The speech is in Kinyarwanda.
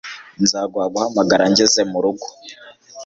nzaguha guhamagara ngeze murugo